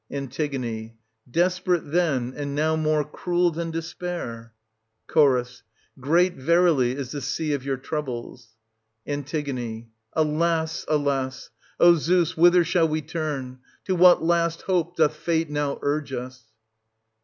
An. Desperate then, and now more cruel than despair. Ch. Great, verily, is the sea of your troubles. An. Alas, alas! O Zeus, whither shall we turn? 1750 To what last hope doth fate now urge us